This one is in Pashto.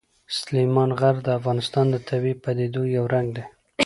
سلیمان غر د افغانستان د طبیعي پدیدو یو رنګ دی.